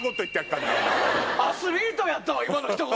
アスリートやったわ今のひと言！